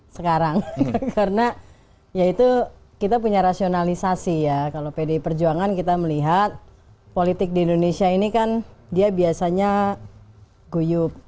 sekarang karena ya itu kita punya rasionalisasi ya kalau pdi perjuangan kita melihat politik di indonesia ini kan dia biasanya guyup